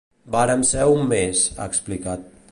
Vàrem ser uns més, ha explicat.